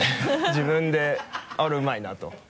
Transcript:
自分で「あっ俺うまいな」と。